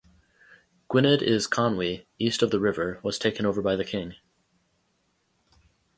Gwynedd Is Conwy, east of the river, was taken over by the king.